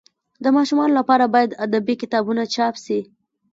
د ماشومانو لپاره باید ادبي کتابونه چاپ سي.